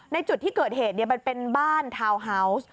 ในจุดที่เกิดเหตุมันเป็นบ้านทาวน์ฮาวส์